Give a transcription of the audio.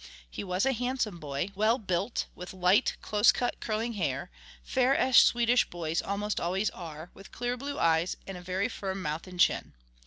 He was a handsome boy, well built, with light, close cut, curling hair, fair as Swedish boys almost always are, with clear blue eyes, and a very firm mouth and chin.